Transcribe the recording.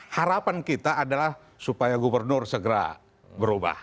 harapan kita adalah supaya gubernur segera berubah